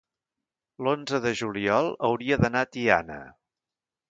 l'onze de juliol hauria d'anar a Tiana.